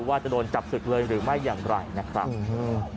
ว่าจะโดนจับศึกเลยหรือไม่อย่างไรนะครับอืม